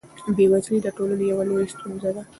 بېوزلي د ټولنې یوه لویه ستونزه ده.